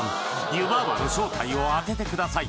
湯婆婆の正体を当ててください